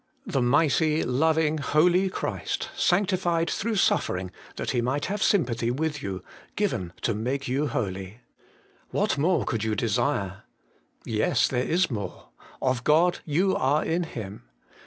The Mighty, Loving, Holy Christ, sanctified through suffering that He might have sympathy with you, given to make you holy. What more could you desire ? Yes, there is more :' Of God you are in Him.'